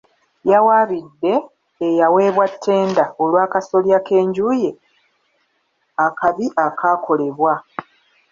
Yawaabidde eyaweebwa ttenda olw'akasolya k'enju ye akabi akaakolebwa.